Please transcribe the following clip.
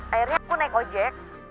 akhirnya aku naik ojek